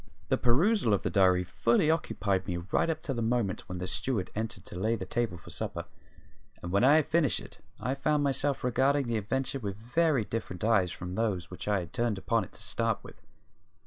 The perusal of the diary fully occupied me right up to the moment when the steward entered to lay the table for supper; and when I had finished it I found myself regarding the adventure with very different eyes from those which I had turned upon it to start with.